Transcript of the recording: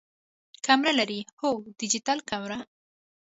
کمره لرئ؟ هو، ډیجیټل کمره